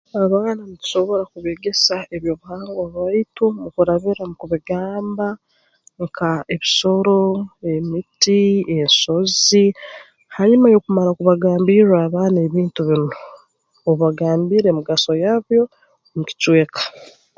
Abaana nitusobora kubeegesa eby'obuhangwa bwaitu okurabira mu kubigamba nka ebisoro emiti ensozi hanyuma y'okumara kubagambirra abaana ebintu binu obagambire emigaso yabyo mu kicweka